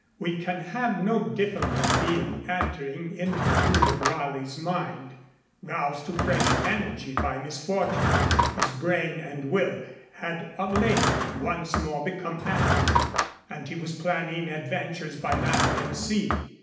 We can have no difficulty in entering into the mood of Raleigh's mind. Roused to fresh energy by misfortune, his brain and will had of late once more become active, and he was planning adventures by land and sea.